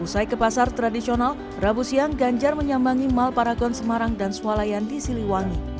usai ke pasar tradisional rabu siang ganjar menyambangi malparagon semarang dan swalayan di siliwangi